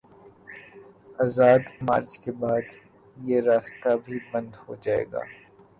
آزادی مارچ کے بعد، یہ راستہ بھی بند ہو جائے گا۔